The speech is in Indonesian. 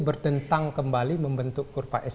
bertentang kembali membentuk kurva s